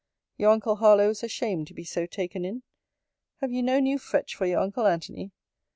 Your uncle Harlowe is ashamed to be so taken in. Have you no new fetch for your uncle Antony?